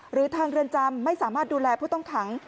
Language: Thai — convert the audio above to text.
หรือทางเรือนจำไม่สามารถดูแลผู้ต้องขัง